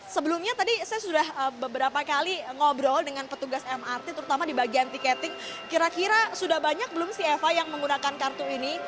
sebelumnya tadi saya sudah beberapa kali ngobrol dengan petugas mrt terutama di bagian tiketing kira kira sudah banyak belum sih eva yang menggunakan kartu ini